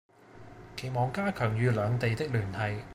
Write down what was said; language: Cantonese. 期望加強與兩地的聯繫